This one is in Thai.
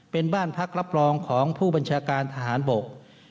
เป็นบ้านพักรับรองของผู้บัญชาการทหารบก